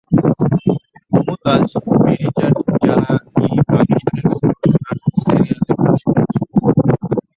মমতাজ "মেরি জাট জারা-ই-বনিশানের" মতো নাটক সিরিয়ালে কাজ করেছেন।